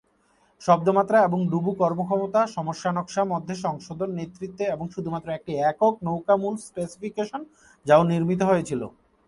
শব্দ মাত্রা এবং ডুবো কর্মক্ষমতা সমস্যা নকশা মধ্যে সংশোধন নেতৃত্বে এবং শুধুমাত্র একটি একক নৌকা মূল স্পেসিফিকেশন যাও নির্মিত হয়েছিল।